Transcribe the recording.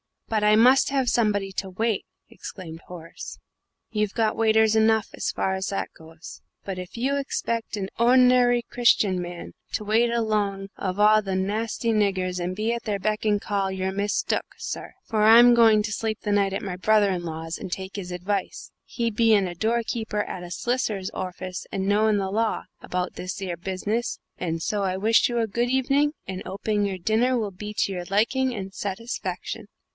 "But I must have somebody to wait," exclaimed Horace. "You've got waiters enough, as far as that goes. But if you expect a hordinary Christian man to wait along of a lot o' narsty niggers, and be at their beck and call, you're mistook, sir, for I'm going to sleep the night at my brother in law's and take his advice, he bein' a doorkeeper at a solicitor's orfice and knowing the law, about this 'ere business, and so I wish you a good hevening, and 'oping your dinner will be to your liking and satisfaction."